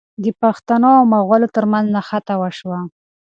د پښتنو او مغلو ترمنځ نښته وشوه.